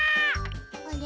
あれ？